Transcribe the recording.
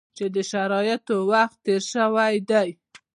چې د شرایطو وخت تېر شوی دی.